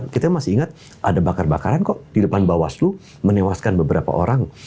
kita masih ingat ada bakar bakaran kok di depan bawaslu menewaskan beberapa orang